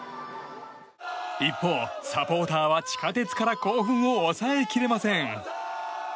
一方、サポーターは地下鉄から興奮を抑えきれません。